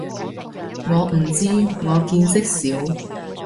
我唔知，我見識少